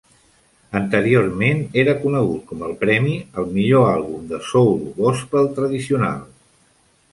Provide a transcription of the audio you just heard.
Anteriorment era conegut com el premi al millor àlbum de soul gospel tradicional.